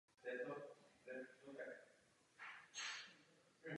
Objekt i s okolními pozemky je v majetku několika soukromých vlastníků.